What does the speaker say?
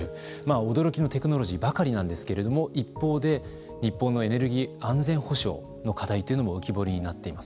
驚きのテクノロジーばかりなんですけれども一方で、日本のエネルギー安全保障の課題というのも浮き彫りになっています。